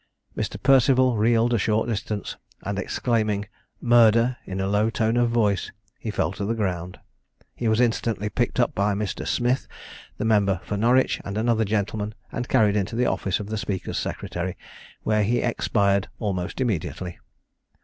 Mr. Perceval reeled a short distance, and exclaiming "Murder!" in a low tone of voice, he fell to the ground. He was instantly picked up by Mr. Smith, the member for Norwich, and another gentleman, and carried into the office of the speaker's secretary, where he expired almost immediately.